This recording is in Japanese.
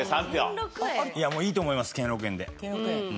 いいと思います兼六園で。